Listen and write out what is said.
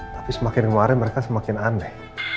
tapi semakin kemarin mereka semakin aneh